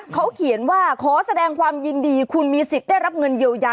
เขาเขียนว่าขอแสดงความยินดีคุณมีสิทธิ์ได้รับเงินเยียวยา